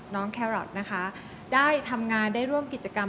แครอทนะคะได้ทำงานได้ร่วมกิจกรรม